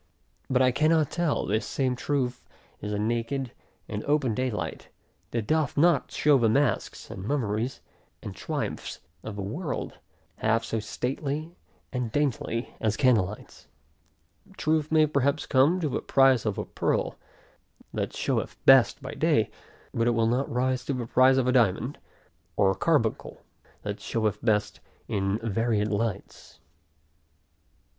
But I cannot tell; this same truth, is a naked, and open day light, that doth not show the masks, and mummeries, and triumphs, of the world, half so stately and daintily as candle lights. Truth may perhaps come to the price of a pearl, that showeth best by day; but it will not rise to the price of a diamond, or carbuncle, that showeth best in varied lights.